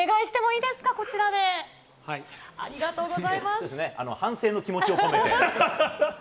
そうですね、反省の気持ちを込めて。